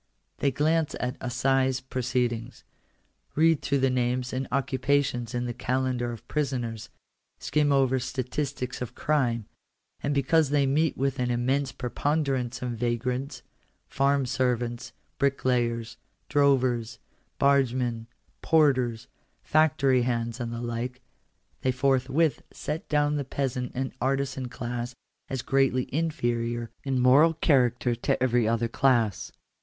They glance at assize proceedings, read through the names and occupations in the calendar of prisoners, skim over statistics of crime, and because they meet with an immense preponderance of vagrants, farm servants, bricklayers, drovers, bargemen, porters, factory hands, and the like, they forthwith set down the peasant and artizan class as greatly inferior in moral character to every other class.